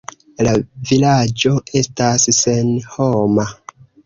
La vilaĝo estas senhoma.